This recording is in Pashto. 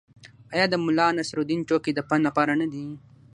آیا د ملانصرالدین ټوکې د پند لپاره نه دي؟